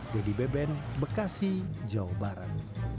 jadi beben bekasi jawa barat